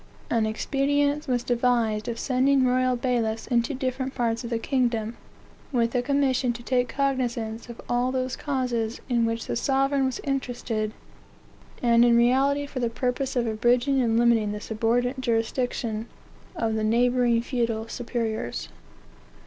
An expedient was devised of sending royal bailiffs into different parts of the kingdom, with a commission to take cognizance of all those causes in which the sovereign was interested, and in reality for the purpose of abridging and limiting the subordinate jurisdiction of the neighboring feudal superiors.